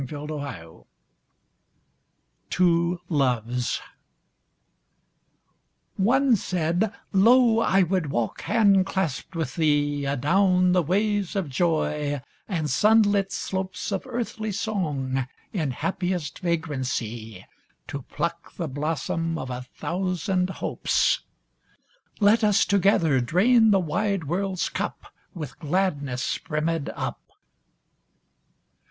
95 TWO LOVES One said; *Xo, I would walk hand clasped with thee Adown the ways of joy and sunlit slopes Of earthly song in happiest vagrancy To pluck the blossom of a thousand hopes. Let us together drain the wide world's cup With gladness brimmed up